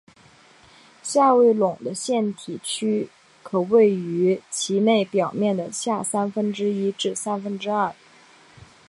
下位笼的腺体区可位于其内表面的下三分之一至三分之二。